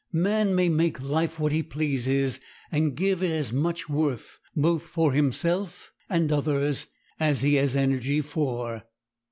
Man may make life what he pleases and give it as much worth, both for himself and others, as he has energy for.